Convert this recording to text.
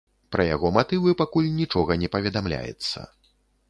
Пра яго матывы пакуль нічога не паведамляецца.